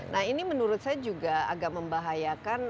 nah ini menurut saya juga agak membahayakan